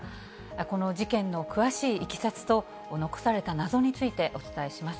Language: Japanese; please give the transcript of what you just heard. この事件の詳しいいきさつと、残された謎についてお伝えします。